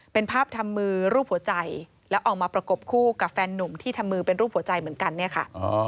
เป็นภาพทำมือรูปหัวใจแล้วออกมาประกบคู่กับแฟนนุ่มที่ทำมือเป็นรูปหัวใจเหมือนกันเนี่ยค่ะ